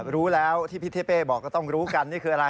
รู้แล้วที่พี่เทเป้บอกก็ต้องรู้กันนี่คืออะไร